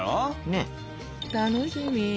ねっ楽しみ。